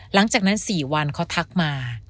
หลังจากนั้น๔วันเขาทักมา